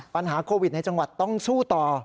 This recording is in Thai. ปัญหาโควิดในจังหวัดต้องสู้ต่อ